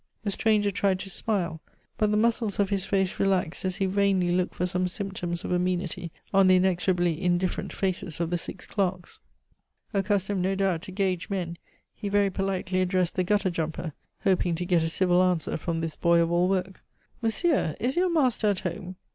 The stranger tried to smile, but the muscles of his face relaxed as he vainly looked for some symptoms of amenity on the inexorably indifferent faces of the six clerks. Accustomed, no doubt, to gauge men, he very politely addressed the gutter jumper, hoping to get a civil answer from this boy of all work. "Monsieur, is your master at home?"